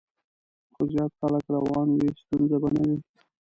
خو زیات خلک روان وي، ستونزه به نه وي.